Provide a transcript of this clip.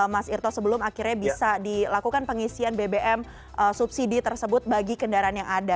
mas irto sebelum akhirnya bisa dilakukan pengisian bbm subsidi tersebut bagi kendaraan yang ada